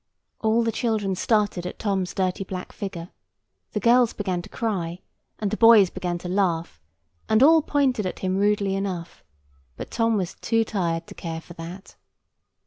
All the children started at Tom's dirty black figure,—the girls began to cry, and the boys began to laugh, and all pointed at him rudely enough; but Tom was too tired to care for that.